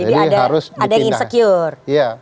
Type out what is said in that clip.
jadi ada yang insecure